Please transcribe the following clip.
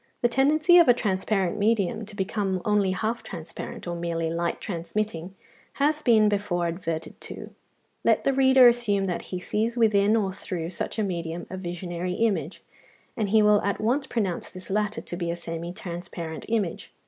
The tendency of a transparent medium to become only half transparent, or merely light transmitting, has been before adverted to (147, 148). Let the reader assume that he sees within or through such a medium a visionary image, and he will at once pronounce this latter to be a semi transparent image.